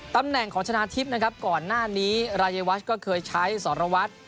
ตำแหน่งของชนะทิพย์นะครับก่อนหน้านี้รายวัชก็เคยใช้สรวัตร